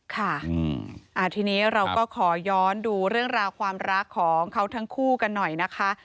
ค่ะทีนี้เราก็ขอย้อนดูเรื่องราวความรักของเขาทั้งคู่กันหน่อยนะคะ